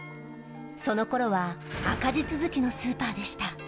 そのころは赤字続きのスーパーでした。